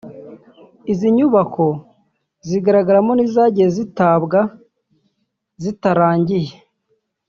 Izi nyubako zigaragaramo n’izagiye zitabwa zitarangiye